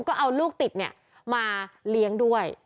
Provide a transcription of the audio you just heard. ก็เอาลูกติดมาเลี้ยงด้วย